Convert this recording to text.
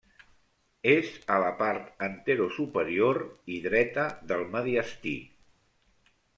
És a la part anterosuperior i dreta del mediastí.